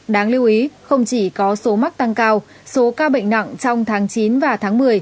đáng lưu ý không chỉ có số mắc tăng cao số ca bệnh nặng trong tháng chín và tháng một mươi